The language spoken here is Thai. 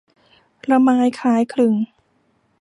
ละม้ายคล้ายคลึง